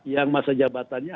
yang masa jabatannya